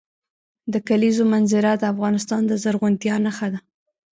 د کلیزو منظره د افغانستان د زرغونتیا نښه ده.